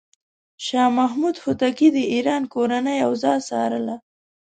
شاه محمود هوتکی د ایران کورنۍ اوضاع څارله.